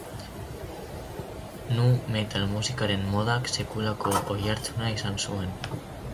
Nu-metal musikaren modak sekulako oihartzuna izan zuen.